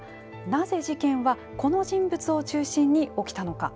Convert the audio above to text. なぜ事件はこの人物を中心に起きたのか。